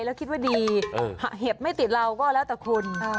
แล้วคิดว่าดีเห็บไม่ติดเราก็แล้วแต่คุณ